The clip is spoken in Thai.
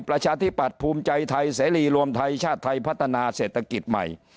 ประชาธิปัตย์ภูมิใจไทยเสรีรวมไทยชาติไทยพัฒนาเศรษฐกิจใหม่